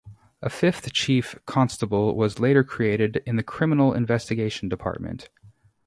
A fifth chief constable was later created in the Criminal Investigation Department.